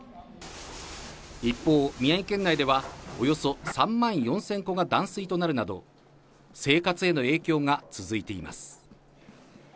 一方、宮城県内では、およそ３万４０００戸が断水となるなど、生活への影響が続いています。